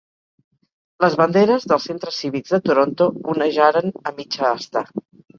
Les banderes dels centres cívics de Toronto onejaren a mitja asta.